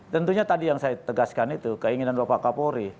tentunya tadi yang saya tegaskan itu keinginan bapak kapolri